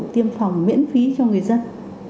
tiêm phòng miễn phí cho người dân